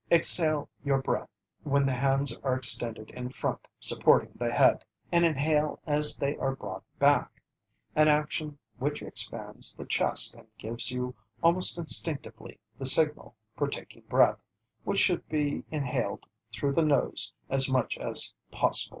Exhale your breath when the hands are extended in front supporting the head, and inhale as they are brought back an action which expands the chest and gives you almost instinctively the signal for taking breath, which should be inhaled through the nose as much as possible.